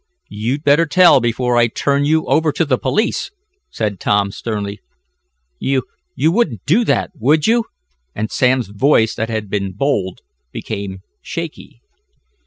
"You'd better tell before I turn you over to the police!" said Tom, sternly. "You you wouldn't do that; would you?" and Sam's voice that had been bold, became shaky.